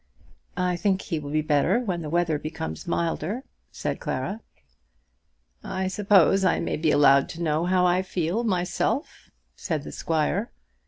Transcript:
"I think he will be better when the weather becomes milder," said Clara. "I suppose I may be allowed to know how I feel myself," said the squire.